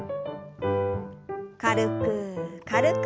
軽く軽く。